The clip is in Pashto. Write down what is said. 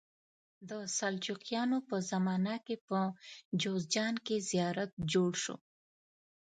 د سلجوقیانو په زمانه کې په جوزجان کې زیارت جوړ شو.